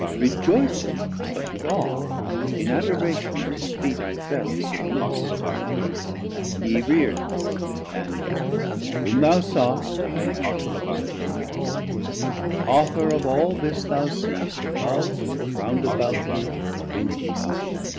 Rejoycing, but with aw In adoration at his feet I fell Submiss: he rear'd me, & Whom thou soughtst I am, Said mildely, Author of all this thou seest Above, or round about thee or beneath.